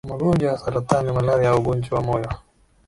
kwa magonjwa ya saratani malaria au ugonjwa wa moyo